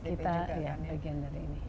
kita ya bagian dari ini